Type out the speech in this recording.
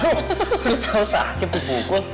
lu tau sakit tuh bukun